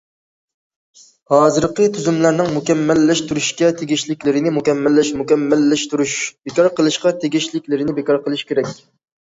ھازىرقى تۈزۈملەرنىڭ مۇكەممەللەشتۈرۈشكە تېگىشلىكلىرىنى مۇكەممەللەشتۈرۈش، بىكار قىلىشقا تېگىشلىكلىرىنى بىكار قىلىش كېرەك.